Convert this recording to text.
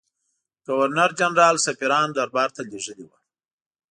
ګورنرجنرال سفیران دربارته لېږلي وه.